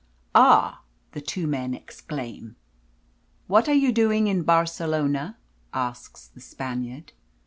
"Ah!" the two men exclaim. "What are you doing in Barcelona?" asks the Spaniard.